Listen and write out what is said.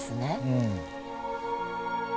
うん。